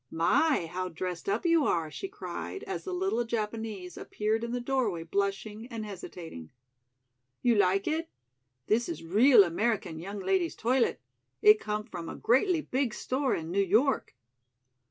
"My, how dressed up you are!" she cried as the little Japanese appeared in the doorway blushing and hesitating. "You like it? This is real American young lady's toilet. It came from a greatly big store in New York."